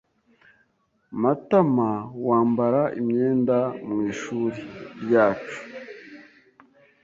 Matamawambara imyenda mwishuri ryacu.